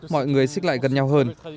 mọi người xích lại gần nhau hơn